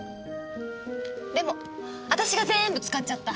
でも私が全部使っちゃった。